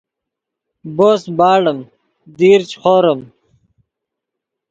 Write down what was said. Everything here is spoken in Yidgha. بوس باڑیم دیر چے خوریم